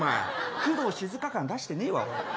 工藤静香感、出してねえわ。